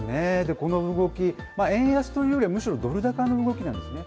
この動き、円安というよりはむしろドル高の動きなんですね。